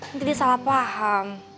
nanti dia salah paham